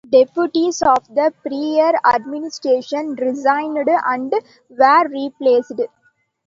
Deputies of the prior administration resigned and were replaced.